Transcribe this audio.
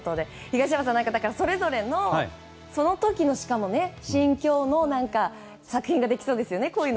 東山さん、それぞれのその時の心境の作品ができそうですね。